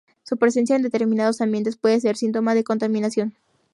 Su presencia en determinados ambientes puede ser síntoma de contaminación.